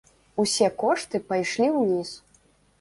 Усе кошты пайшлі ўніз.